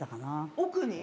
奥に？